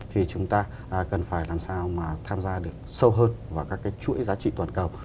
thì chúng ta cần phải làm sao mà tham gia được sâu hơn vào các cái chuỗi giá trị toàn cầu